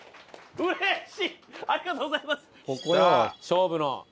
勝負の。